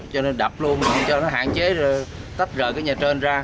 cho nên đập luôn cho nó hạn chế tách rời cái nhà trên ra